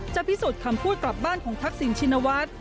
พิสูจน์คำพูดกลับบ้านของทักษิณชินวัฒน์